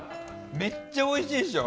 めっちゃおいしいでしょ？